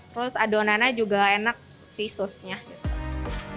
terus adonannya juga enak si susnya gitu